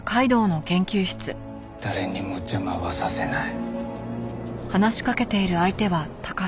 誰にも邪魔はさせない。